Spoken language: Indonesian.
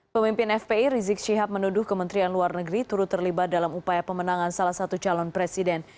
pemimpin fpi rizik syihab menuduh kementerian luar negeri turut terlibat dalam upaya pemenangan salah satu calon presiden